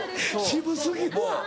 渋過ぎるわ。